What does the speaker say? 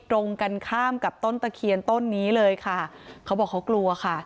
ตรงกันข้ามกับต้นตะเคียนต้นนี้เลยค่ะเขาบอกเขากลัวค่ะ